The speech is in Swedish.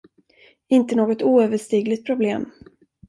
Inte något oöverstigligt problem.